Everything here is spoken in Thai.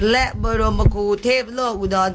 และบรมครูเทพโลกอุดร